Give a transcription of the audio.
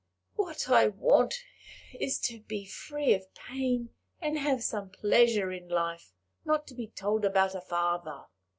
What I want is to be free of pain, and have some pleasure in life not to be told about a father."